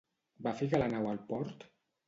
Va ficar la nau al port?